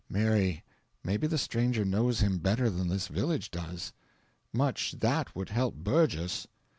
"Mary, maybe the stranger knows him better than this village does." "Much THAT would help Burgess!"